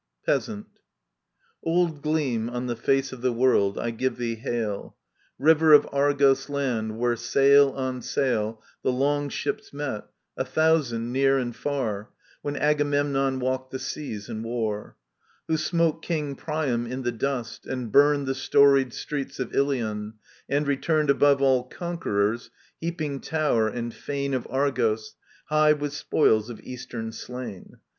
Peasant. Old gleam on the face of the world, I give thee hail, River of Argos land^ where sail on sail The long ships met, a thousand, near and far, When Agamemnon walked the seas in war ; Who smote King Priam in the dust, and burned The storied streets of Ilion, and returned Above all conquerors, heaping tower and &ne Of Argos high with spoik of Eastern slain.